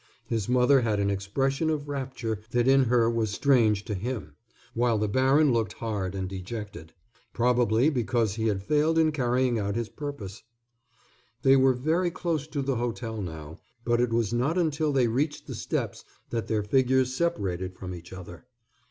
His mother had an expression of rapture that in her was strange to him, while the baron looked hard and dejected. Probably because he had failed in carrying out his purpose. They were very close to the hotel now, but it was not until they reached the steps that their figures separated from each other.